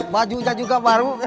bajunya juga baru